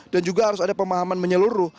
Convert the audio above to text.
dan juga harus ada pemahaman menyeluruh